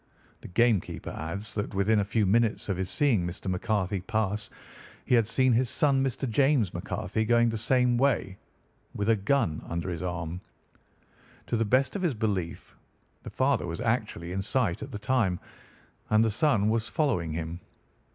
The game keeper adds that within a few minutes of his seeing Mr. McCarthy pass he had seen his son, Mr. James McCarthy, going the same way with a gun under his arm. To the best of his belief, the father was actually in sight at the time, and the son was following him.